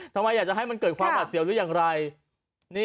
ทำไมอยากจะให้มันเกิดความหวัดเสียวหรืออย่างไร